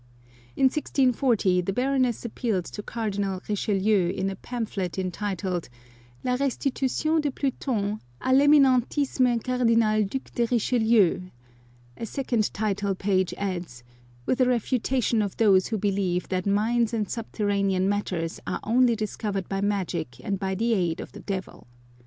In 1 640 the Baroness appealed to Cardinal Richelieu in a pamphlet entitled " La Restitution de Pluton k I'Eminentissime Cardinal Due de Riche lieu," a second title page adds, " with a refutation of those who believe that mines and subterranean matters are only discovered by magic and by the aid of the devil."